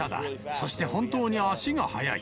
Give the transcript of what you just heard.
そして、本当に足が速い。